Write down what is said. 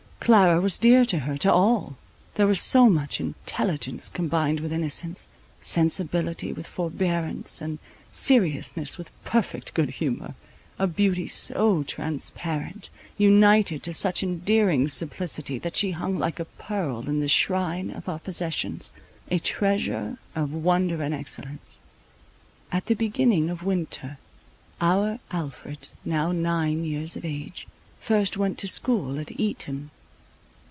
Clara was dear to her, to all. There was so much intelligence combined with innocence, sensibility with forbearance, and seriousness with perfect good humour, a beauty so transcendant, united to such endearing simplicity, that she hung like a pearl in the shrine of our possessions, a treasure of wonder and excellence. At the beginning of winter our Alfred, now nine years of age, first went to school at Eton.